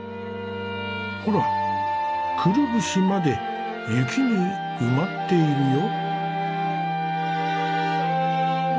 ほらくるぶしまで雪に埋まっているよ。